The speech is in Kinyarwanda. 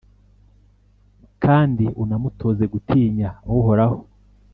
kandi unamutoze gutinya Uhoraho.